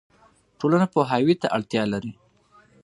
ټولنه پوهاوي ته اړتیا لري.